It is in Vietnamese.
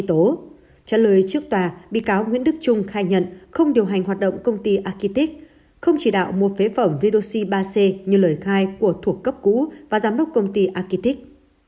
trả lời trước tòa bị cáo nguyễn đức trung khai nhận không điều hành hoạt động công ty agitic không chỉ đạo mua phế phẩm video ba c như lời khai của thuộc cấp cũ và giám đốc công ty agitic